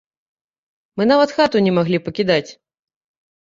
Мы нават хату не маглі пакідаць.